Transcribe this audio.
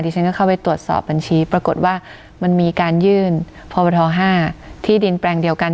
ฉันก็เข้าไปตรวจสอบบัญชีปรากฏว่ามันมีการยื่นพบท๕ที่ดินแปลงเดียวกัน